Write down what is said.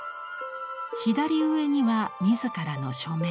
左上には自らの署名